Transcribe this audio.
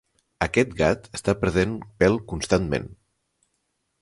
Aquest gat està perdent pel constantment.